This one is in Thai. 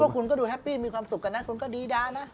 คุณก็ดูแฮปปี้มีความสุขกันนะคุณก็ดีดานะ